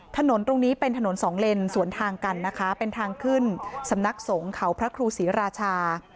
ถนนตรงนี้เป็นถนนสองเลนสวนทางกันนะคะเป็นทางขึ้นสำนักสงฆ์เขาพระครูศรีราชา